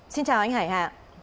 xin chào anh hải hà